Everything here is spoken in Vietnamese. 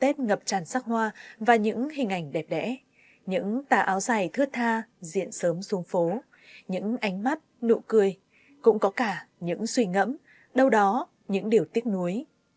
tết ngập tràn sắc hoa và những hình ảnh đẹp đẽ những tà áo dài thước tha diện sớm xuống phố những ánh mắt nụ cười cũng có cả những suy ngẫm đâu đó những điều tiếc nuối